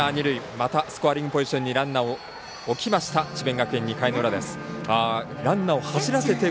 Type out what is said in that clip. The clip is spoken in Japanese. またスコアリングポジションにランナーを置きました智弁学園、２回の裏です。